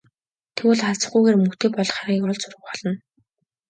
Тэгвэл алзахгүйгээр мөнгөтэй болох аргыг олж сурах болно.